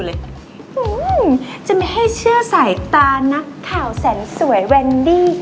จะไม่ให้เชื่อสายตานักข่าวแสนสวยแวนดี้